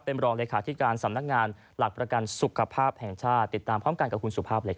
เป็นรองเลขาธิการสำนักงานหลักประกันสุขภาพแห่งชาติติดตามพร้อมกันกับคุณสุภาพเลยครับ